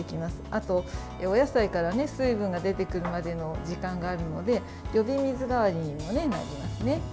あと、お野菜から水分が出てくるまでの時間があるので呼び水代わりにもなりますね。